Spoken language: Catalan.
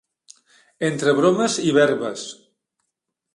Entre bromes i verbes.